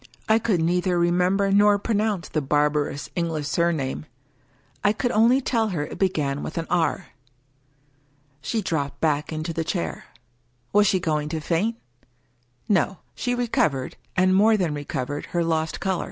I could neither remember nor pronounce the barbarous English surname. I could only tell her it began with an " R." She dropped back into the chair. Was she going to faint? No: she recovered, and more than recovered, her lost color.